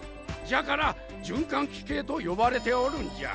じゃから循環器系と呼ばれておるんじゃ。